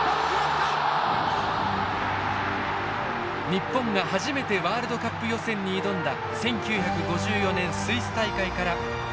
日本が初めてワールドカップ予選に挑んだ１９５４年スイス大会からおよそ半世紀。